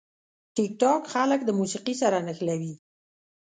ټیکټاک خلک د موسیقي سره نښلوي.